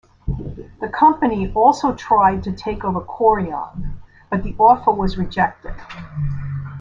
The company also tried to take over Chorion but the offer was rejected.